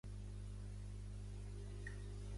Espanya té dos mesos per presentar els nous pressupostos